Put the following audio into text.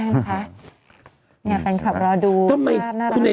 เนี่ยแฟนคลับรอดูภาพน่ารัก